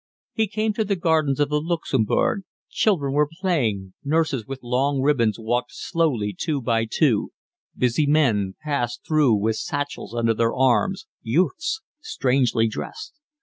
He came to the gardens of the Luxembourg: children were playing, nurses with long ribbons walked slowly two by two, busy men passed through with satchels under their arms, youths strangely dressed.